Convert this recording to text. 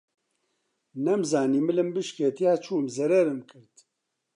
نەمزانی ملم بشکێ تیا چووم زەرەرم کرد